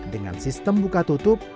dengan sistem buka tutup